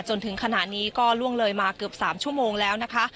จนถึงขณะนี้ก็ล่วงเลยมาเกือบ๓ชั่วโมงแล้วนะคะ